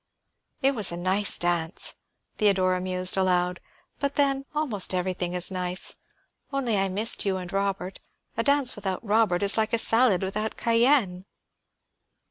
"It was a nice dance," Theodora mused aloud. "But then, almost everything is nice. Only I missed you and Robert. A dance without Robert is like a salad without cayenne."